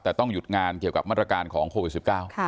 แต่ต้องหยุดงานเกี่ยวกับมาตรการของโควิดสิบเก้าค่ะ